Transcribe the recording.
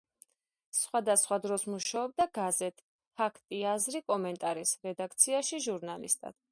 სხვადასხვა დროს მუშაობდა გაზეთ „ფაქტი, აზრი, კომენტარის“ რედაქციაში ჟურნალისტად.